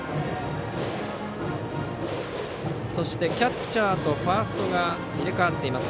そしてキャッチャーとファーストが入れ替わっています。